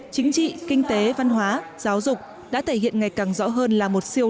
chính trị kinh tế văn hóa giáo dục đã thể hiện ngày càng rõ hơn là một siêu